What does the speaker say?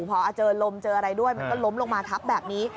พอเจอลมเจออะไรด้วยมันก็ล้มลงมาทับแบบนี้